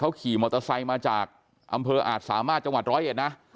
ขี่มอเตอร์ไซค์มาจากอำเภออาจสามารถจังหวัดร้อยเอ็ดนะ